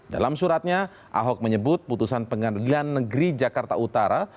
dalam suratnya ahok menyebut putusan pengadilan negeri jakarta utara